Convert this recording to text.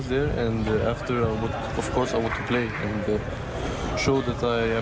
ฉันต้องมาพอเดียวกับท่าน